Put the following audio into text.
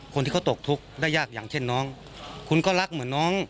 คนที่เขาตกทุกข์ได้ยากอย่างเช่นน้องคุณก็รักเหมือนน้อง